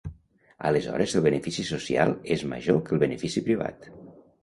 Aleshores el benefici social és major que el benefici privat.